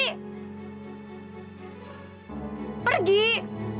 baja gak ada disini